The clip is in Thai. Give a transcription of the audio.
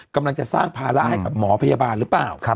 กำลังจะสร้างภาระให้กับหมอพยาบาลหรือเปล่า